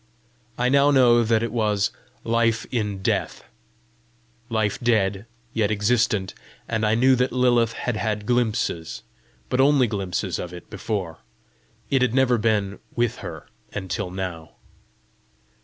I now know that it was LIFE IN DEATH life dead, yet existent; and I knew that Lilith had had glimpses, but only glimpses of it before: it had never been with her until now.